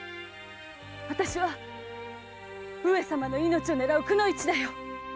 私は上様の命を狙う「くの一」だよ。